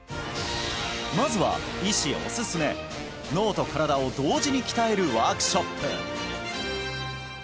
まずは医師おすすめ脳と身体を同時に鍛えるワークショップ